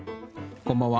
こんばんは。